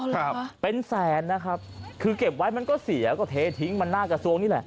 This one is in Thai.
ครับเป็นแสนนะครับคือเก็บไว้มันก็เสียก็เททิ้งมันหน้ากระทรวงนี่แหละ